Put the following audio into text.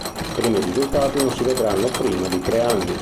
I primi risultati non si vedranno prima di tre anni.